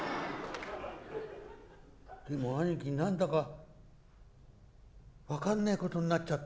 「でも兄貴何だか分かんねえことになっちゃった」。